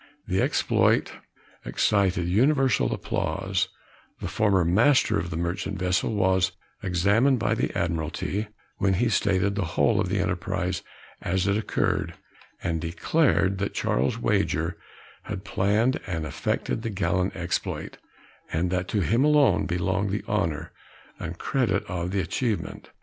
The exploit excited universal applause the former master of the merchant vessel was examined by the Admiralty, when he stated the whole of the enterprise as it occurred, and declared that Charles Wager had planned and effected the gallant exploit, and that to him alone belonged the honor and credit of the achievement.